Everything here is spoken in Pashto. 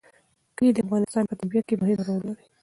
کلي د افغانستان په طبیعت کې مهم رول لري.